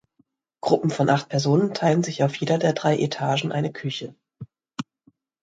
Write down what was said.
Gruppen von acht Personen teilen sich auf jeder der drei Etagen eine Küche.